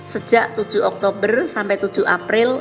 sejak tujuh oktober sampai tujuh april